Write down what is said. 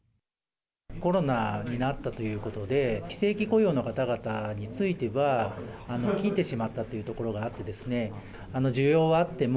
コロナになったということで、非正規雇用の方々については、切ってしまったというところがあってですね、需要はあっても、